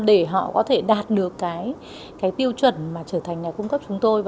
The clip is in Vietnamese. để họ có thể đạt được tiêu chuẩn trở thành nhà cung cấp chúng tôi